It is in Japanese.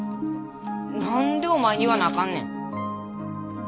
何でお前に言わなあかんねん。